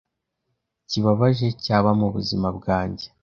kibabaje cyaba mu buzima bwanjye.